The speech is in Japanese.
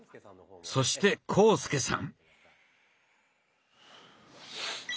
そして浩介さん。